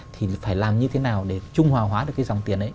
thì phải làm như thế nào để trung hòa hóa được cái dòng tiền ấy